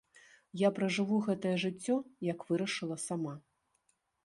Я пражыву гэтае жыццё, як вырашыла сама.